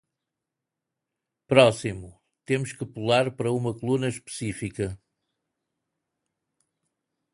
Próximo?, temos que pular para uma coluna específica.